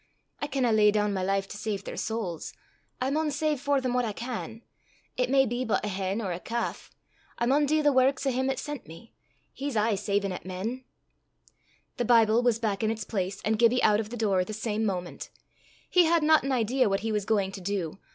I canna lay doon my life to save their sowls; I maun save for them what I can it may be but a hen or a calf. I maun dee the warks o' him 'at sent me he's aye savin' at men." The Bible was back in its place, and Gibbie out of the door the same moment. He had not an idea what he was going to do.